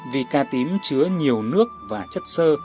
vì cà tím chứa nhiều nước và chất sơ